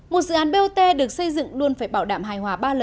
một dự án bot được xây dựng luôn phải bảo đảm hài hòa bản thân